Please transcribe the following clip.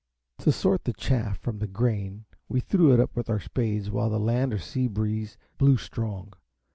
To sort the chaff from the grain we threw it up with our spades while the land or sea breeze blew strong.